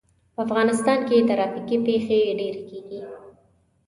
په افغانستان کې ترافیکي پېښې ډېرې کېږي.